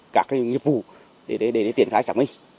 các nghiệp vụ để tiến khai xác minh